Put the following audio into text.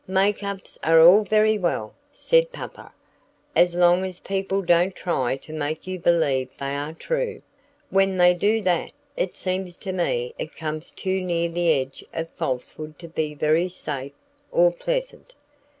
"Make ups are all very well," said Papa, "as long as people don't try to make you believe they are true. When they do that, it seems to me it comes too near the edge of falsehood to be very safe or pleasant.